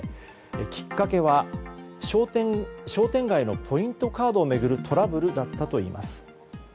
きっかけは商店街のポイントカードを巡るトラブルだったといいます。